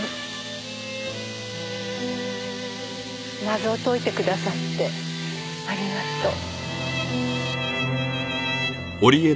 謎を解いてくださってありがとう。